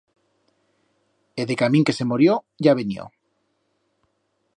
E decamín que se morió ya venió.